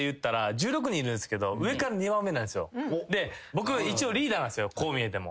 僕一応リーダーなんすよこう見えても。